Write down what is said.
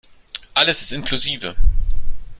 Alles ist inklusive.